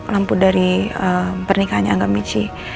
lampu dari pernikahannya angga mitchi